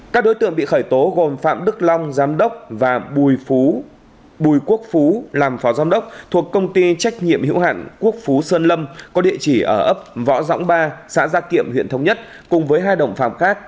các đối tượng bị khởi tố gồm phạm đức long giám đốc và bùi quốc phú làm phó giám đốc thuộc công ty trách nhiệm hữu hạn quốc phú sơn lâm có địa chỉ ở ấp võ rõng ba xã gia kiệm huyện thống nhất cùng với hai đồng phạm khác